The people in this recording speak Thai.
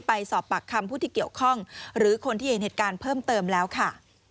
ไปสอบปากคำผู้ที่เกี่ยวข้องหรือคนที่เห็นเหตุการณ์เพิ่มเติมแล้วค่ะ